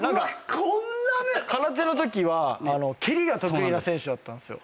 空手のときは蹴りが得意な選手だったんですよ